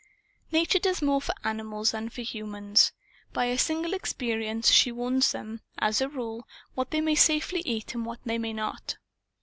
Nature does more for animals than for humans. By a single experience she warns them, as a rule, what they may safely eat and what they may not.